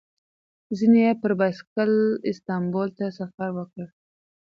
ځینې یې پر بایسکل استانبول ته سفر وکړ.